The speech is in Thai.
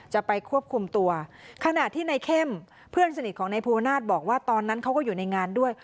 จะไปควบคุมตัวขณะที่ในเข้มเพื่อนสนิทของนายภูวนาศบอกว่าตอนนั้นเขาก็อยู่ในงานด้วย